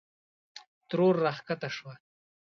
ترور راکښته شوه.